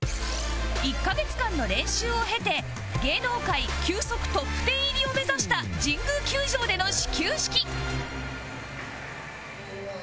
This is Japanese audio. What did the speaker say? １カ月間の練習を経て芸能界球速トップ１０入りを目指した神宮球場での始球式